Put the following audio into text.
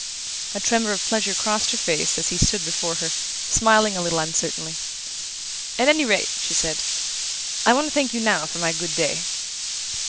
A tremor of pleasure crossed her face as he stood before her, smiling a little uncertainly. "At any rate," she said, "I want to thank you now for my good day."